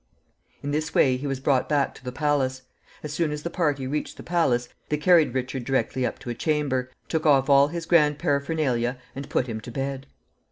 In this way he was brought back to the palace. As soon as the party reached the palace, they carried Richard directly up to a chamber, took off all his grand paraphernalia, and put him to bed.